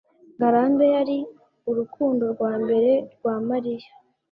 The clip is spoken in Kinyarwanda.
ngarambe yari urukundo rwa mbere rwa mariya